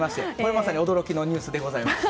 まさに驚きのニュースでございました。